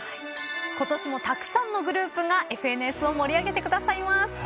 ことしもたくさんのグループが『ＦＮＳ』を盛り上げてくださいます。